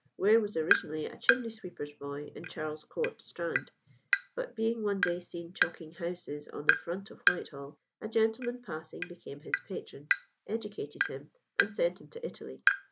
Ware was originally a chimney sweeper's boy in Charles Court, Strand; but being one day seen chalking houses on the front of Whitehall, a gentleman passing became his patron, educated him, and sent him to Italy.